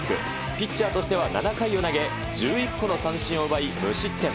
ピッチャーとしては７回を投げ、１１個の三振を奪い、無失点。